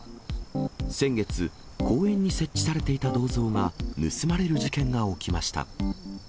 先月、公園に設置されていた銅像が盗まれる事件が起きました。